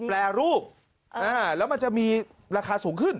แปรรูปแล้วมันจะมีราคาสูงขึ้น